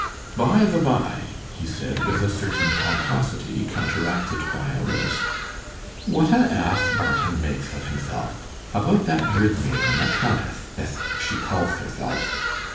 'By the by,' he said, with a certain pomposity counteracted by a lisp, 'what an ath Barton makth of himthelf, about that Bridmain and the Counteth, ath she callth herthelf.